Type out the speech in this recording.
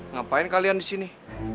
ngapain kalian di sini